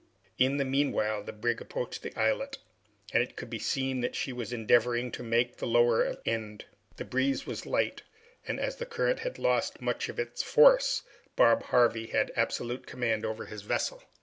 In the meanwhile the brig approached the islet, and it could be seen that she was endeavoring to make the lower end. The breeze was light, and as the current had then lost much of its force, Bob Harvey had absolute command over his vessel.